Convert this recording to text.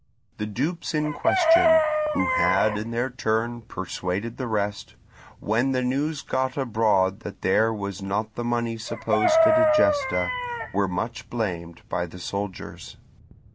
The dupes in question—who had in their turn persuaded the rest—when the news got abroad that there was not the money supposed at Egesta, were much blamed by the soldiers.